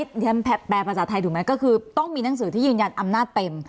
เรียนแปลภาษาไทยถูกไหมก็คือต้องมีหนังสือที่ยืนยันอำนาจเต็ม